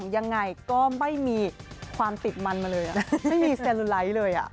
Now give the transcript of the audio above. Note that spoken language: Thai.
ยังไงก็ไม่มีความติดมันมาเลยไม่มีเซลูไลท์เลย